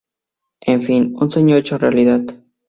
En fin, un sueño hecho realidad.